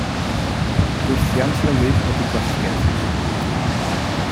Gwrthiant hylif ydy gwasgedd.